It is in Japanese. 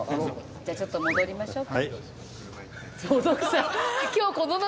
じゃあちょっと戻りましょう。